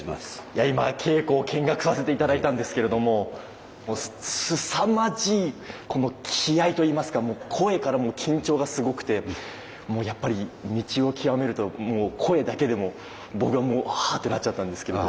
いや今稽古を見学させて頂いたんですけれどももうすさまじいこの気合いといいますかもう声からも緊張がすごくてもうやっぱり道を極めるともう声だけでも僕はもうハーッてなっちゃったんですけど。